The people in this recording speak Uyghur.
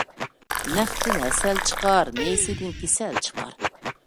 نەقتىن ھەسەل چىقار، نېسىدىن كېسەل چىقار.